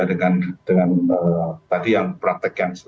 dengan tadi yang praktekan